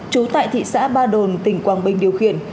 trú tại thị xã ba đồn tỉnh quảng bình điều khiển